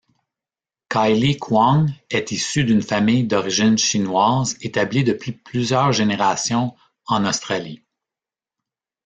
Kylie Kwong est issue d'une famille d'origine chinoise établie depuis plusieurs générations en Australie.